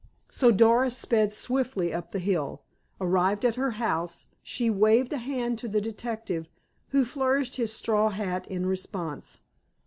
So Doris sped swiftly up the hill. Arrived at her house, she waved a hand to the detective, who flourished his straw hat in response.